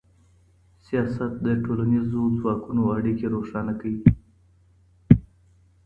سياست د ټولنيزو ځواکونو اړيکي روښانه کوي.